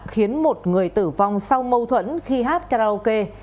khiến một người tử vong sau mâu thuẫn khi hát karaoke